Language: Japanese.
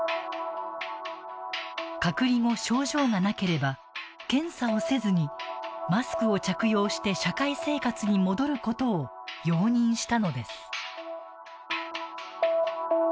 隔離後、症状がなければ検査をせずに、マスクを着用して社会生活に戻ることを容認したのです。